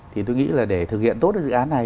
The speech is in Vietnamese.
thì tôi nghĩ là để thực hiện tốt cái dự án này